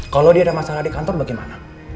kalau dia ada masalah di kantor bagaimana